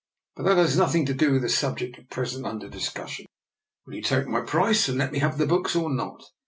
But that has nothing DR. NIKOLA'S EXPERIMENT. 15 to do with the subject at present under dis cussion. Will you take my price, and let me have the books, or not?